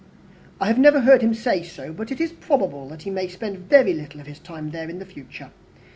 "I have never heard him say so; but it is probable that he may spend very little of his time there in future.